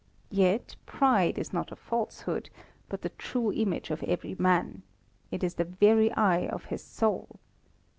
Yet pride is not falsehood, but the true image of every man. It is the very eye of his soul.